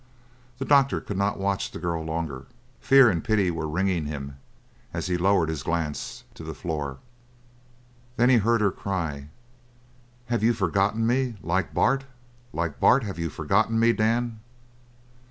The doctor could not watch the girl longer; fear and pity were wringing him as he lowered his glance to the floor. Then he heard her cry: "Have you forgotten me, like Bart? Like Bart, have you forgotten me, Dan?"